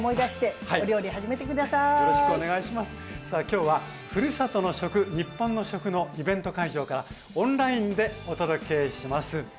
さあ今日は「ふるさとの食にっぽんの食」のイベント会場からオンラインでお届けします。